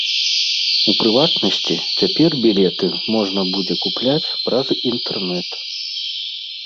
У прыватнасці, цяпер білеты можна будзе купляць праз інтэрнэт.